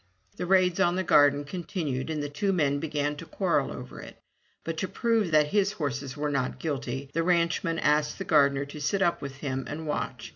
The raids on the garden continued, and the two men began to quarrel over it. But to prove that his horses were not guilty the ranchman asked the gardener to sit up with him and watch.